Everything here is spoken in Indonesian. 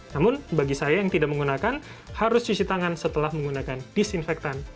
namun bagi saya yang tidak menggunakan harus cuci tangan setelah menggunakan disinfektan